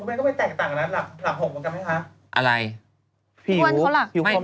อ่าดูของผู้ว่างคุณแม่ก็ไม่แตกต่างนะหลักห่มเหมือนกันไหมคะ